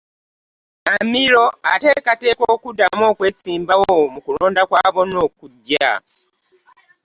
Amilo ateekateeka okuddamu okwesimbawo mu kulonda kwa bonna okuggya.